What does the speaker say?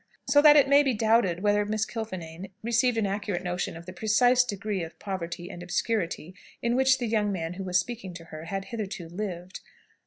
So that it may be doubted whether Miss Kilfinane received an accurate notion of the precise degree of poverty and obscurity in which the young man who was speaking to her had hitherto lived.